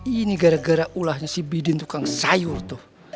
ini gara gara ulahnya si bidin tukang sayur tuh